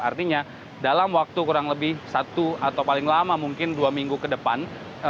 artinya dalam waktu kurang lebih satu atau paling lama mungkin dua minggu ke depan